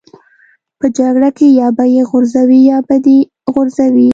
په جګړه کې یا به یې غورځوې یا به دې غورځوي